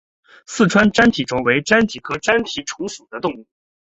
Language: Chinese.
四川粘体虫为粘体科粘体虫属的动物。